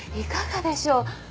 いかがでしょう？